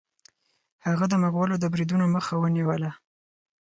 هغه د مغولو د بریدونو مخه ونیوله.